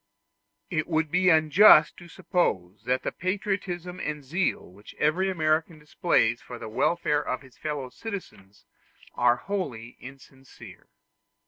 It would be unjust to suppose that the patriotism and the zeal which every American displays for the welfare of his fellow citizens are wholly insincere.